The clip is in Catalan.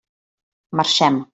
Marxem.